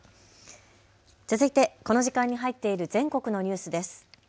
続いてこの時間に入っている全国のニュースです。